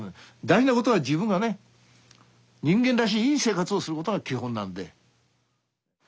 大事なことは自分がね人間らしいいい生活をすることが基本なんで。